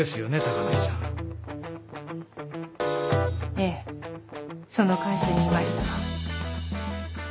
ええその会社にいましたが。